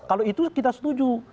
kalau itu kita setuju